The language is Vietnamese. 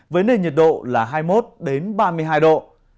với nền nhiệt độ là hai mươi một ba mươi hai độ